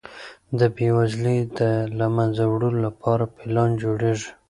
د بېوزلۍ د له منځه وړلو لپاره پلان جوړیږي.